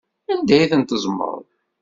Anda ay tent-teẓẓmeḍ?